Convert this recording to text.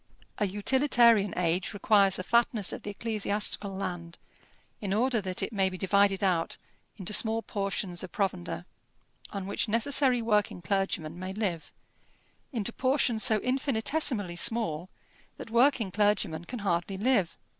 A utilitarian age requires the fatness of the ecclesiastical land, in order that it may be divided out into small portions of provender, on which necessary working clergymen may live, into portions so infinitesimally small that working clergymen can hardly live.